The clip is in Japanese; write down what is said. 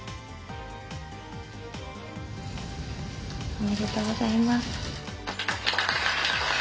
おめでとうございます。